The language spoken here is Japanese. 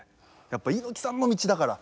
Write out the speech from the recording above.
やっぱ猪木さんの道だから。